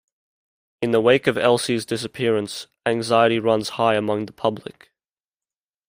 In the wake of Elsie's disappearance, anxiety runs high among the public.